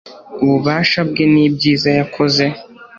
ububasha bwe n’ibyiza yakoze